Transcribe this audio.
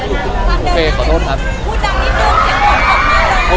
พูดดังนิดนึงเดี๋ยวผมขอบคุณมากเลย